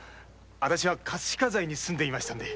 私は葛飾在に住んでいましたので。